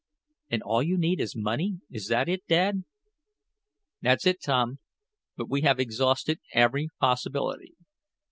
"And all you need is money; is that it, Dad?" "That's it, Tom, but we have exhausted every possibility.